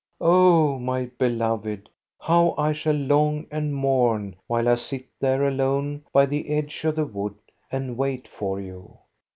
Oh, my beloved, how I shall long and mourn, while I sit there alone by the edge of the wood and wait for you